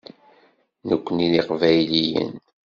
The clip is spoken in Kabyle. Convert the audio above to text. Nekkni d Iqbayliyen.